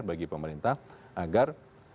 bagi pemerintah agar